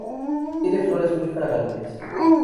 Tiene flores muy fragantes.